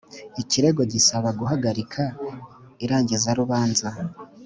Ikirego gisaba guhagarika irangizarubanza